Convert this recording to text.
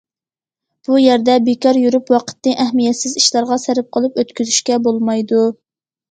بۇ يەردە بىكار يۈرۈپ، ۋاقىتنى ئەھمىيەتسىز ئىشلارغا سەرپ قىلىپ ئۆتكۈزۈشكە بولمايدۇ.